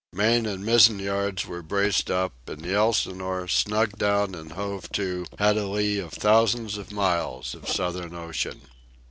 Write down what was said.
Main and mizzen yards were braced up, and the Elsinore, snugged down and hove to, had a lee of thousands of miles of Southern Ocean.